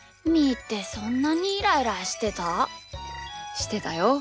してたよ。